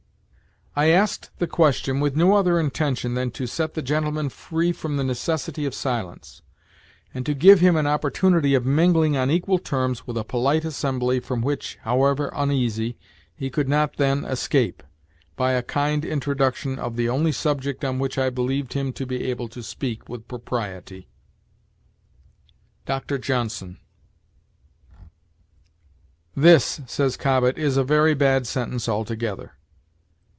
"I asked the question with no other intention than to set the gentleman free from the necessity of silence, and to give him an opportunity of mingling on equal terms with a polite assembly from which, however uneasy, he could not then escape, by a kind introduction of the only subject on which I believed him to be able to speak with propriety." Dr. Johnson. "This," says Cobbett, "is a very bad sentence altogether.